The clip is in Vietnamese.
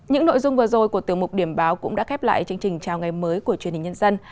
những nội dung vừa rồi của tiểu mục điểm báo cũng đã khép lại chương trình chào ngày mới của truyền hình nhân dân